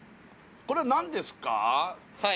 これは何ですか？